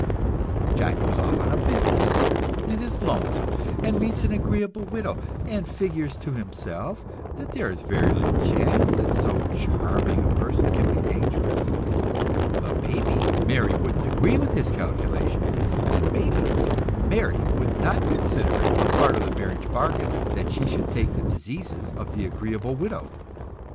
John goes off on a business trip, and is lonesome, and meets an agreeable widow, and figures to himself that there is very little chance that so charming a person can be dangerous. But maybe Mary wouldn't agree with his calculations; maybe Mary would not consider it a part of the marriage bargain that she should take the diseases of the agreeable widow.